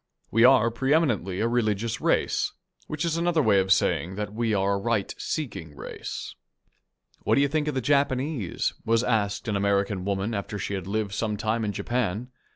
We are pre eminently a religious race, which is another way of saying that we are a right seeking race. "What do you think of the Japanese?" was asked an American woman after she had lived some time in Japan.